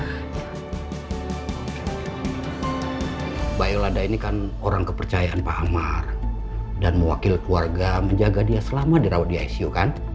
mbak ilada ini kan orang kepercayaan pak amar dan mewakil keluarga menjaga dia selama dirawat di icu kan